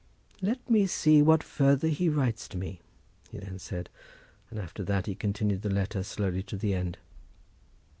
"Let me see what further he writes to me," he then said; and after that he continued the letter slowly to the end.